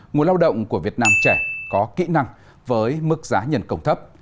nguồn lao động của việt nam trẻ có kỹ năng với mức giá nhân công thấp